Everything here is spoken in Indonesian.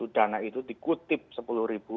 dana itu dikutip sepuluh ribu